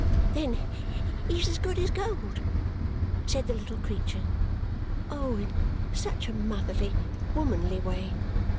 "Then he's as good as gold," said the little creature Oh, in such a motherly, womanly way!